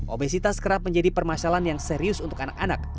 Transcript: obesitas kerap menjadi permasalahan yang serius untuk anak anak